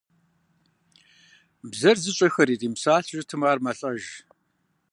Бзэр зыщӀэхэр иримыпсалъэу щытмэ, ар мэлӀэж.